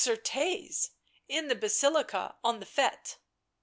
Certes ! in the Basilica on the Fete."